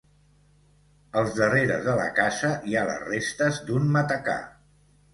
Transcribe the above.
Als darreres de la casa hi ha les restes d'un matacà.